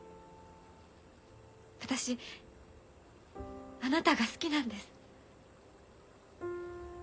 私あなたが好きなんです。